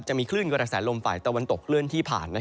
จะมีคลื่นกระแสลมฝ่ายตะวันตกเคลื่อนที่ผ่าน